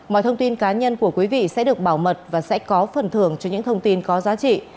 mọi thông tin cá nhân của quý vị sẽ được bảo mật và sẽ có phần thưởng cho những thông tin có giá trị